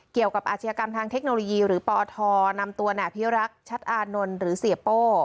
เกี่ยวกับอาชีพกรรมทางเทคโนโลยีหรือปธนำตัวแหน่พิรักชัดอานนท์หรือเสียโป้